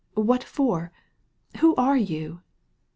What for? Who are you?"